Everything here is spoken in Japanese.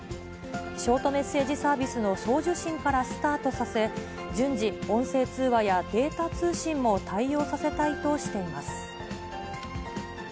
ショートメッセージサービスの送受信からスタートさせ、順次、音声通話やデータ通信も対応させたいとしています。